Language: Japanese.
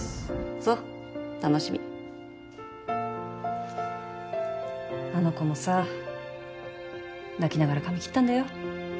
そう楽しみあの子もさ泣きながら髪切ったんだよ